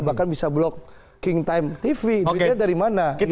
bahkan bisa blok king time tv duitnya dari mana